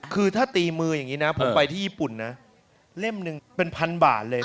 คือถ้าตีมืออย่างนี้นะผมไปที่ญี่ปุ่นนะเล่มหนึ่งเป็นพันบาทเลยนะ